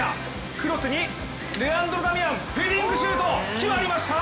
クロスにレアンドロ・ダミアンヘディングシュート！決まりました！